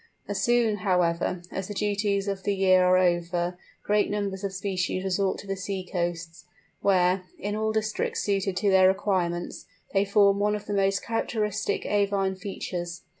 As soon, however, as the duties of the year are over great numbers of species resort to the sea coasts, where, in all districts suited to their requirements, they form one of the most characteristic avine features.